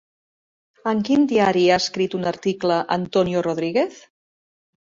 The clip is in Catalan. En quin diari ha escrit un article Antonio Rodríguez?